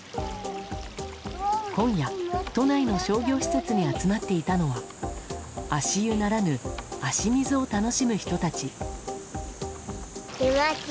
今夜、都内の商業施設に集まっていたのは足湯ならぬ、足水を楽しむ人たち。